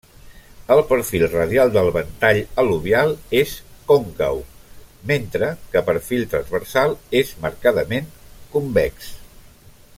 El perfil radial del ventall al·luvial és còncau, mentre que perfil transversal és marcadament convex.